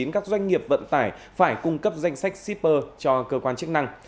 các doanh nghiệp vận tải phải cung cấp danh sách shipper cho cơ quan chức năng